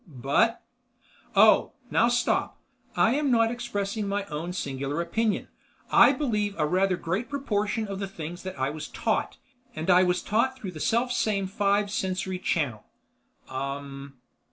"But—" "Oh, now stop. I am not expressing my own singular opinion. I believe a rather great proportion of the things that I was taught, and I was taught through the self same five sensory channel." "Um m m."